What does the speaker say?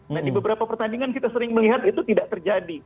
nah di beberapa pertandingan kita sering melihat itu tidak terjadi